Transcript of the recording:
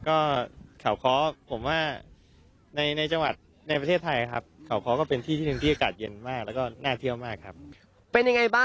ก็เขาค้อผมว่าในจังหวัดในประเทศไทยครับ